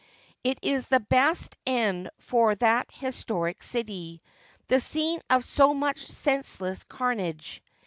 It is the best end for that historic city — the scene of so much senseless carnage.